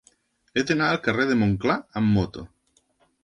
He d'anar al carrer de Montclar amb moto.